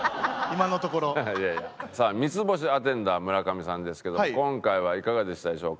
さあ３つ星アテンダー村上さんですけど今回はいかがでしたでしょうか？